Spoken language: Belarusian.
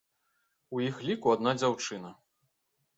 У іх ліку адна дзяўчына.